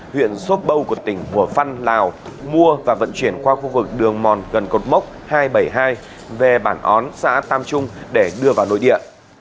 huyện sốp bâu của tỉnh hồ phân lào mua và vận chuyển qua khu vực đường mòn gần cột mốc hai trăm bảy mươi hai về bản ón xã tam trung để đưa vào nội địa